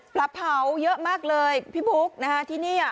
ปลาเผาเยอะมากเลยพี่บุ๊คนะฮะที่นี่